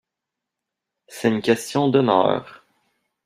C’est une question d’honneur.